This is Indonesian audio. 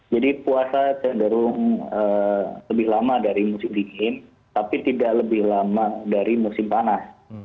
jadi puasa cenderung lebih lama dari musim dingin tapi tidak lebih lama dari musim panas